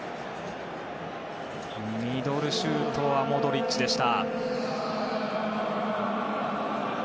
ミドルシュートはモドリッチでした。